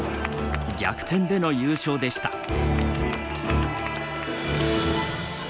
逆転での優勝でした。